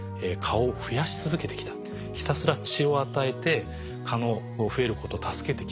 ひたすら血を与えて蚊の増えることを助けてきたと。